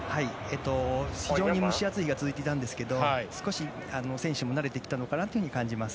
非常に蒸し暑い日が続いていたんですが選手も慣れてきたのかなと感じます。